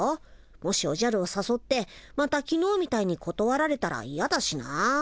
もしおじゃるをさそってまたきのうみたいにことわられたらいやだしなあ。